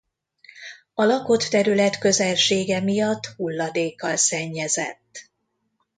A lakott terület közelsége miatt hulladékkal szennyezett.